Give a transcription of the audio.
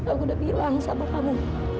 aku udah bilang sama kamu